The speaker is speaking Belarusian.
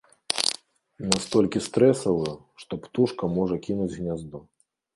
Настолькі стрэсавую, што птушка можа кінуць гняздо.